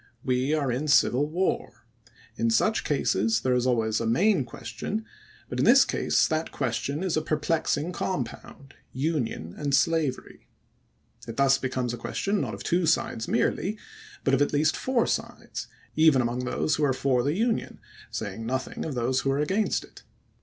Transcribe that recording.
We are in civil war. In such cases there always is a main question ; but in this case that question is a perplexing compound — Union and Slavery. It thus becomes a question not of two sides merely, but of at least four sides, even among those who are for the Union, saying nothing of those who are against it.